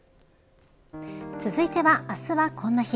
続いては、あすはこんな日。